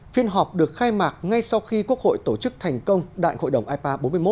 phiên họp được khai mạc ngay sau khi quốc hội tổ chức thành công đại hội đồng ipa bốn mươi một